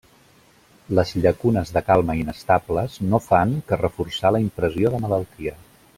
Les llacunes de calma inestables no fan que reforçar la impressió de malaltia.